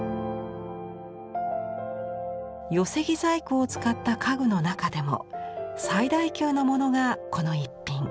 寄木細工を使った家具の中でも最大級のものがこの一品。